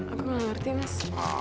aku gak ngerti mas